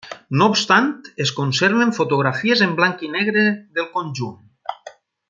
No obstant es conserven fotografies en blanc i negre del conjunt.